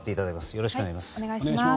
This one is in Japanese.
よろしくお願いします。